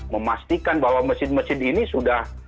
memastikan bahwa mesin mesin ini sudah